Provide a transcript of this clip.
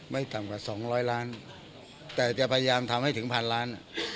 ไม่ต่ำกว่าสองร้อยล้านแต่จะพยายามทำให้ถึงพันล้าน